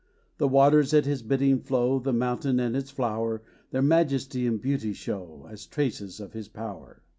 The waters at his bidding flow, The mountain and its flower Their majesty and beauty show, As traces of his power.